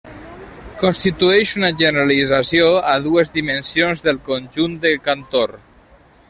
Constitueix una generalització a dues dimensions del conjunt de Cantor.